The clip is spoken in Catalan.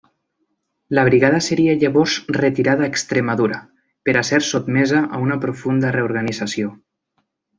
La brigada seria llavors retirada a Extremadura, per a ser sotmesa a una profunda reorganització.